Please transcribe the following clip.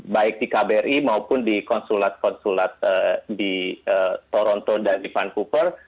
baik di kbri maupun di konsulat konsulat di toronto dan di vancouver